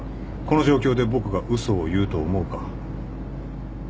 この状況で僕が嘘を言うと思うか？